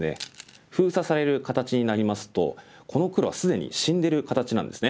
封鎖される形になりますとこの黒は既に死んでる形なんですね。